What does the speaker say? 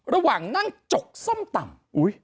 ระหว่างนั่งจกส้มตำ